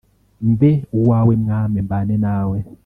Mbe uwawe Mwami mbane nawe